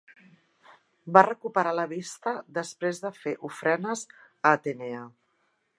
Va recuperar la vista després de fer ofrenes a Atenea.